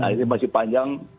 ini masih panjang